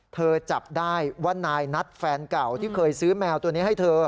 จับได้ว่านายนัทแฟนเก่าที่เคยซื้อแมวตัวนี้ให้เธอ